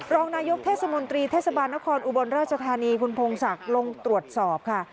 รองนายกเทศมนตรีเทศบาลนครอุบลราชธานีคุณพงศักดิ์ลงตรวจสอบค่ะ